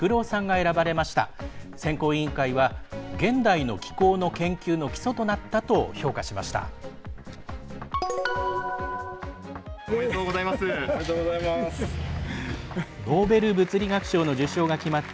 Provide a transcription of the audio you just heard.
選考委員会は現代の気候の研究の基礎となったと評価しました。